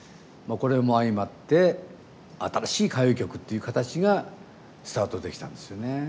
これも相まって新しい歌謡曲っていう形がスタートできたんですよね。